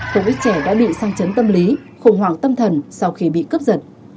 không ít trẻ đã bị sang chấn tâm lý khủng hoảng tâm thần sau khi bị cướp giật